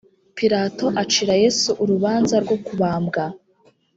pilato acira yesu urubanza rwo kubambwa